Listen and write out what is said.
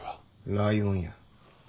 ライオンや。